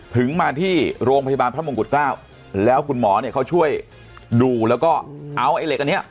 ถึงมาที่โรงพยาบาลพระมงกุฎเกล้าแล้วคุณหมอเนี่ยเขาช่วยดูแล้วก็เอาไอ้เหล็กอันเนี้ย